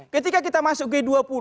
ketika kita masuk g dua puluh